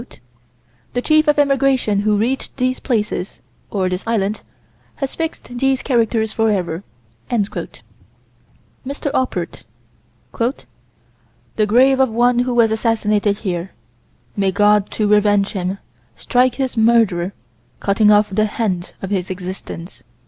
Maurice Schwab: "The chief of Emigration who reached these places (or this island) has fixed these characters forever." M. Oppert: "The grave of one who was assassinated here. May God, to revenge him, strike his murderer, cutting off the hand of his existence."